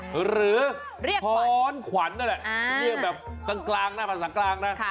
หรือท้อนขวัญนั่นแหละเรียกแบบภาษากลางนะ